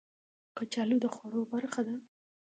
کچالو د خوړو برخه ده